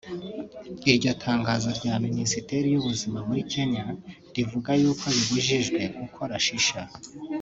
Iryo tangazo rya Minisiteri y’ubuzima muri Kenya rivuga yuko bibujijwe gukora Shisha